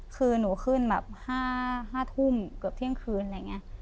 คือหนูขึ้นแบบ๕ทุ่มเกือบเที่ยงคืนอะไรอย่างนี้